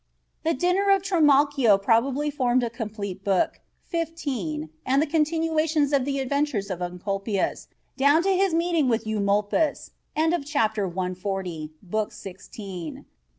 The Dinner of Trimalchio probably formed a complete book, fifteen, and the continuation of the adventures of Encolpius down to his meeting with Eumolpus (end of Chapter 140) Book Sixteen.